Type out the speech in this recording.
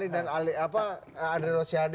dan apa ada rosiade